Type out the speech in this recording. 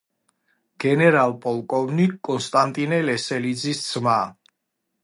გენერალ-პოლკოვნიკ კონსტანტინე ლესელიძის ძმა.